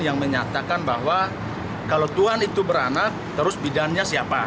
yang menyatakan bahwa kalau tuhan itu beranak terus bidannya siapa